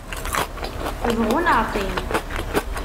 Bɣu neɣ qim.